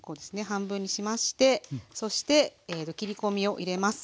半分にしましてそして切り込みを入れます。